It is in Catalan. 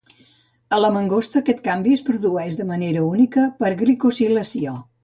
A la mangosta, aquest canvi es produeix de manera única, per glicosilació.